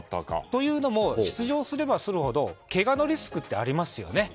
というのも出場すればするほどけがのリスクってありますよね。